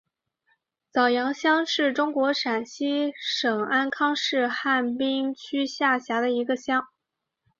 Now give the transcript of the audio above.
早阳乡是中国陕西省安康市汉滨区下辖的一个乡。